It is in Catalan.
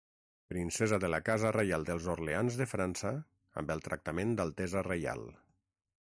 Princesa de la Casa reial dels Orleans de França amb el tractament d'altesa reial.